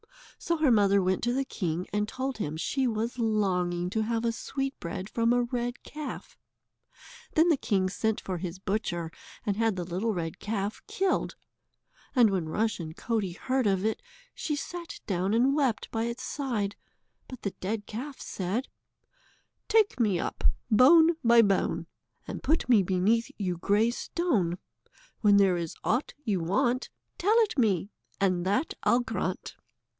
So her mother went to the king and told him she was longing to have a sweetbread from a red calf. Then the king sent for his butcher, and had the little red calf killed. And when Rushen Coatie heard of it, she sate down and wept by its side, but the dead calf said: "Take me up, bone by bone, And put me beneath yon grey stone; When there is aught you want Tell it me, and that I'll grant."